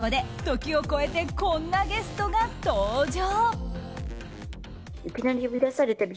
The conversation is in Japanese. そこで時を超えてこんなゲストが登場！